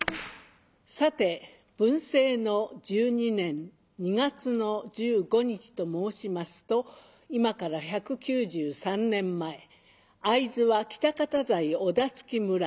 さて文政の１２年２月の１５日と申しますと今から１９３年前会津は喜多方在小田付村。